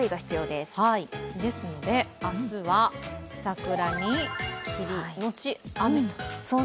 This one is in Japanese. ですので明日は桜に霧のち雨と。